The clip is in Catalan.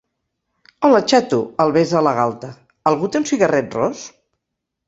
Hola, xato –el besa a la galta–, algú té un cigarret ros?